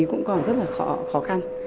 cũng còn rất là khó khăn